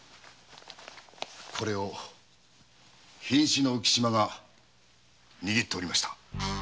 これを瀕死の浮島が握っておりました。